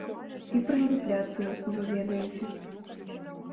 І пра інфляцыю вы ведаеце.